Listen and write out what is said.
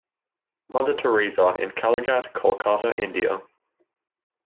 Mother Teresa in Kalighat, Kolkata, India.